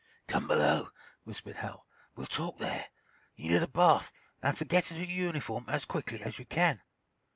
"Come below," whispered Hal. "We'll talk there. You need a bath and to get into a uniform as quickly as you can."